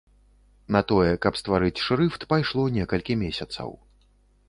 На тое, каб стварыць шрыфт, пайшло некалькі месяцаў.